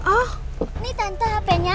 ini tante hpnya